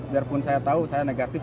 biarpun saya tahu saya negatif